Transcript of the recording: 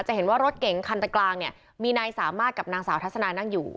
เห็นว่ารถเก๋งคันตะกลางเนี่ยมีนายสามารถกับนางสาวทัศนานั่งอยู่